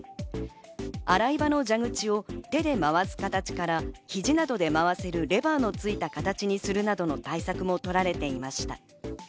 洗い場の蛇口を手で回す形から肘などで回せるレバーのついた形にするなどの対策も取られていました。